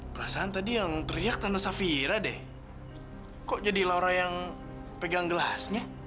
perasaan tadi yang teriak tanah safira deh kok jadi laura yang pegang gelasnya